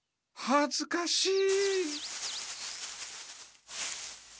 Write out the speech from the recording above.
はずかしい！